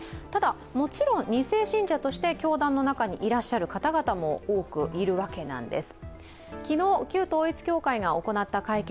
もちろん２世信者として教団の中ににいらっしゃる方々も多くいるわけです。